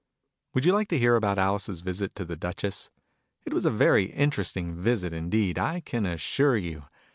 Would you like to hear about Alice's visit to the Duchess ? It was a very interesting visit indeed, I can assure you.